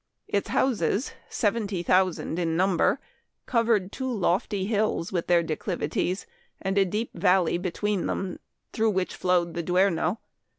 Its houses, seventy thousand in number, covered two lofty hills with their de clivities, and a deep valley between them, through which flowed the Duero.